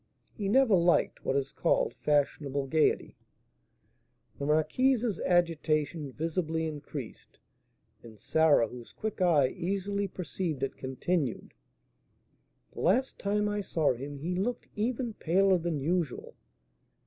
"He never liked what is called fashionable gaiety." The marquise's agitation visibly increased; and Sarah, whose quick eye easily perceived it, continued: "The last time I saw him he looked even paler than usual."